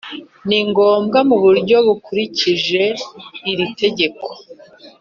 Ni ngombwa mu buryo bukurikije iri tegeko.